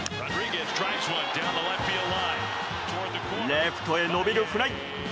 レフトへ伸びるフライ。